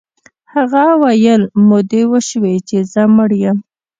هغه ویل مودې وشوې چې زه مړ یم